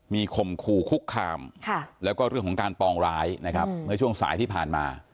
มีข่มขู่คุกคามแล้วก็เรื่องของการปองร้ายนะครับเมื่อช่วงสายที่ผ่านมา